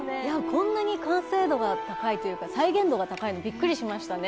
こんなに完成度が高いというか、再現度が高いのびっくりしましたね。